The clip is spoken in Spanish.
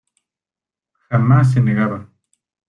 Jamás se negaba.